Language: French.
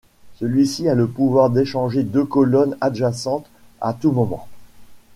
Celui-ci a le pouvoir d'échanger deux colonnes adjacentes à tout moment.